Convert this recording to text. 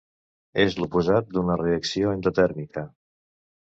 És l'oposat d'una reacció endotèrmica.